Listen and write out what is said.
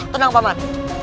tenang pak man